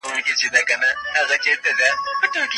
په تعلیمي پروګرام کې بدلون راوستل کېږي.